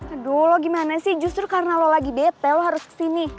aduh lo gimana sih justru karena lo lagi bete lo harus kesini